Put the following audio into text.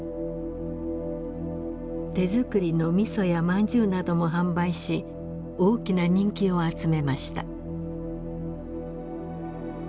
手作りのみそやまんじゅうなども販売し大きな人気を集めました。